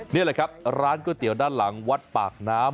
นี่แหละครับร้านก๋วยเตี๋ยวด้านหลังวัดปากน้ำ